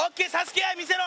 愛見せろ！